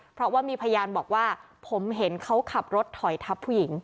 เพราะว่ามีพยานบอกว่าผมเห็นเขาขับรถถอยทับผู้หญิง